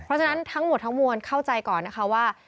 เพราะฉะนั้นทั้งหมดทั้งมวลเข้าใจก่อนนะคะว่า